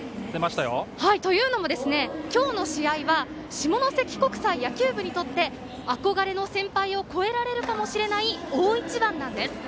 というのも、今日の試合は下関国際野球部にとって憧れの先輩を超えられるかもしれない大一番なんです。